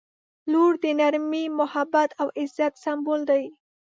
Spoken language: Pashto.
• لور د نرمۍ، محبت او عزت سمبول دی.